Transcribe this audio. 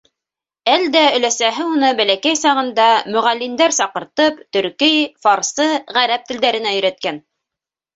Әлдә өләсәһе уны бәләкәй сағында мөғәллимдәр саҡыртып, төрки, фарсы, ғәрәп телдәренә өйрәткән.